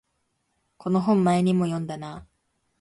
この本前にも読んだな